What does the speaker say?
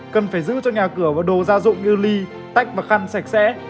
cần phải giữ cho nhà cửa và đồ gia dụng như ly tách và khăn sạch sẽ